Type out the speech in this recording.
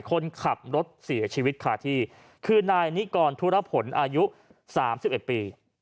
คนขับรถเสียชีวิตคาที่คือนายนิกรธุรผลอายุ๓๑ปี